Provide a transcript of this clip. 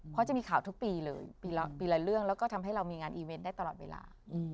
เพราะจะมีข่าวทุกปีเลยปีละเรื่องแล้วก็ทำให้เรามีงานอีเวนต์ได้ตลอดเวลา